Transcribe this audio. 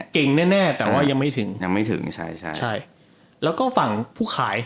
เก่งแน่แน่แต่ว่ายังไม่ถึงยังไม่ถึงใช่ใช่แล้วก็ฝั่งผู้ขาย